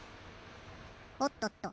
おっとっと。